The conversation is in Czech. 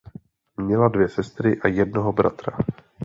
Měla dvě sestry a jednoho bratra.